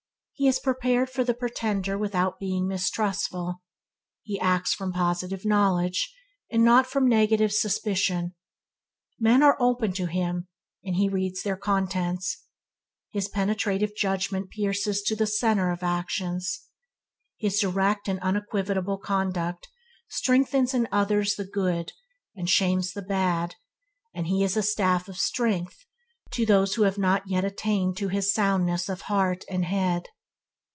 He is prepared for the pretender without being mistrustful. He acts from positive knowledge, and not from negative suspicion. Men are open to him, and he reads their contents. His penetrative judgement pierces to the centre of actions. His direct and unequivocal conduct strengthens in others the good, and shames the bad, and he is a staff of strength to those who have not yet attained to his soundness of heart and head.